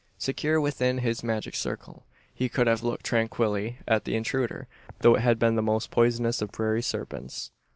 Secure within his magic circle, he could have looked tranquilly at the intruder, though it had been the most poisonous of prairie serpents.